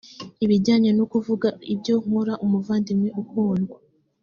ibyanjye ni ukuvuga ibyo nkora umuvandimwe ukundwa